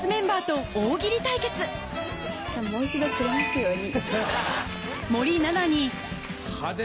もう一度くれますように。